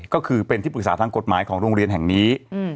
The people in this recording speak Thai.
ก็คือเป็นที่ปรึกษาทางกฎหมายของโรงเรียนแห่งนี้